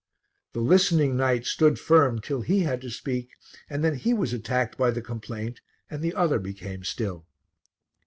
The listening knight stood firm till he had to speak, and then he was attacked by the complaint and the other became still.